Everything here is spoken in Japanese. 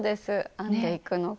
編んでいくのが。